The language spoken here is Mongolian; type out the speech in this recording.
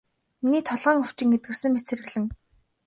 Миний толгойн өвчин эдгэрсэн мэт сэргэлэн.